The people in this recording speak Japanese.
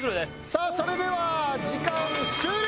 さあそれでは時間終了。